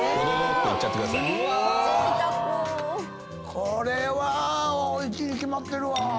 これはおいしいに決まってるわ。